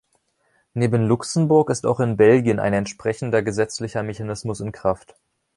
Neben Luxemburg ist auch in Belgien ein entsprechender gesetzlicher Mechanismus in Kraft.